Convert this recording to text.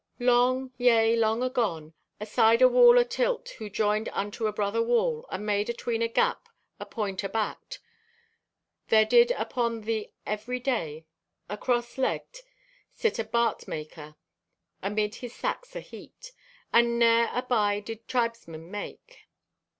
"Long, yea, long agone, aside a wall atilt who joined unto a brother wall and made atween a gap apoint abacked, there did upon the every day, across leged, sit a bartmaker, amid his sacks aheaped. And ne'er a buy did tribesmen make.